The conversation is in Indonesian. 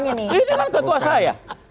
ini kan ketua saya